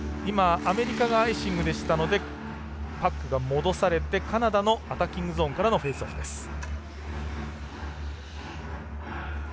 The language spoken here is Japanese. アメリカがアイシングでしたのでパックが戻されてカナダのアタッキングゾーンからのフェイスオフです。